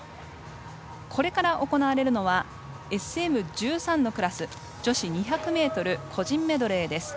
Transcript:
これから行われるのはＳＭ１３のクラス女子２００ｍ個人メドレーです。